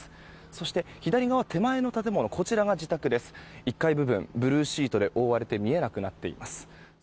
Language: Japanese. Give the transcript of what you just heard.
そして、左側手前の建物１階部分ブルーシートで覆われて見えなくなっています。